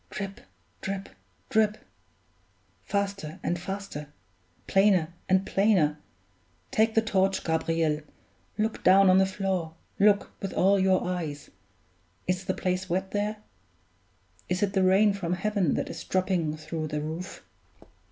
"Drip, drip, drip! Faster and faster; plainer and plainer. Take the torch, Gabriel; look down on the floor look with all your eyes. Is the place wet there? Is it the rain from heaven that is dropping through the roof?"